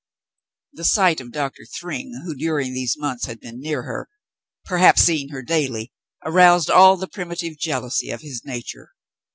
The sight of Doctor Thryng who during these months had been near her — perhaps seeing her daily — aroused all the primitive jealousy of his nature.